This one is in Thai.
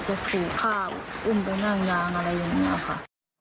ขู่ฆ่าอุ้มไปนั่งยางอะไรอย่างนี้ค่ะ